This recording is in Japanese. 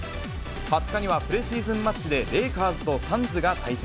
２０日にはプレシーズンマッチでレイカーズとサンズが対戦。